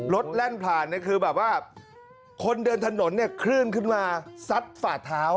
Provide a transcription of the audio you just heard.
รถแล่นผ่านคือแบบว่าคนเดินถนนเนี่ยขึ้นมาสัดฝาดเท้า